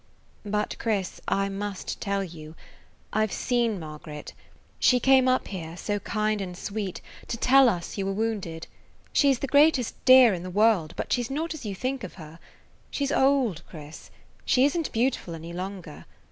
"But, Chris, I must tell you. I 've seen Margaret. She came up here, so kind and sweet, to tell us you were wounded. She 's the greatest dear in the world, but she 's [Page 83] not as you think of her. She 's old, Chris. She is n't beautiful any longer.